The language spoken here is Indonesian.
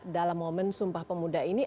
dalam momen sumpah pemuda ini